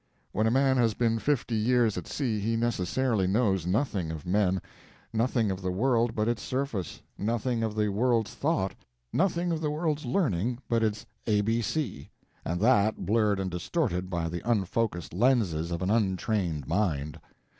When a man has been fifty years at sea he necessarily knows nothing of men, nothing of the world but its surface, nothing of the world's thought, nothing of the world's learning but it's A B C, and that blurred and distorted by the unfocused lenses of an untrained mind.